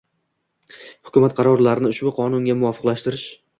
hukumat qarorlarini ushbu Qonunga muvofiqlashtirsin;